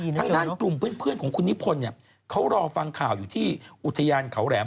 ทางด้านกลุ่มเพื่อนของคุณนิพนธ์เขารอฟังข่าวอยู่ที่อุทยานเขาแหลม